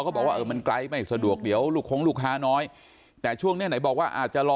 บอกว่าเออมันไกลไม่สะดวกเดี๋ยวลูกคงลูกค้าน้อยแต่ช่วงเนี้ยไหนบอกว่าอาจจะรอ